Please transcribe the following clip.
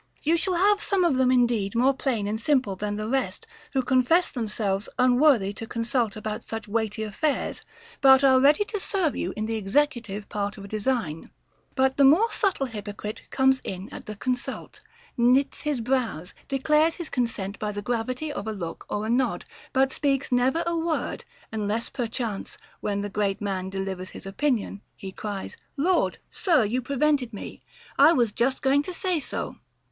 You shall have some of them indeed more plain and simple than the rest, who confess themselves unworthy to consult about such weighty affairs, but are ready to serve you in the executive part of a design. But the move subtle hyp ocrite comes in at the consult, knits his brows, declares his consent by the gravity of a look or a nod, but speaks never a word, unless perchance, when the great man delivers his opinion, he cries, Lord ! sir, you prevented me ; I was jus t going to say so.